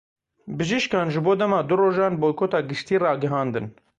Bijîşkan ji bo dema du rojan boykota giştî ragihandin.